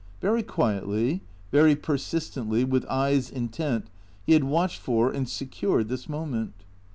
Very quietly, very persistently, with eyes intent, he had watched for and secured this moment.